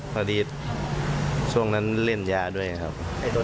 พอดีช่วงนั้นเล่นยาด้วยครับ